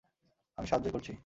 আমি সাহায্যই করছি।